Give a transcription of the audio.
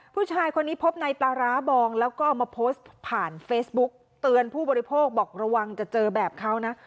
ผู้ชายคนนี้พบในปลาร้าบองแล้วก็เอามาโพสต์ผ่านเฟซบุ๊กเตือนผู้บริโภคบอกระวังจะเจอแบบเขานะ